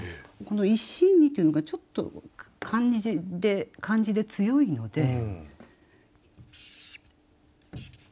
この「一心に」というのがちょっと漢字で強いので。